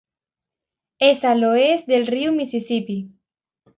És a l'oest del riu Mississippi.